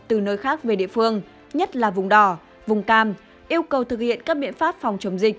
từ nơi khác về địa phương nhất là vùng đỏ vùng cam yêu cầu thực hiện các biện pháp phòng chống dịch